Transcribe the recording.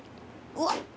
うわっ。